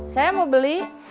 saya mau beli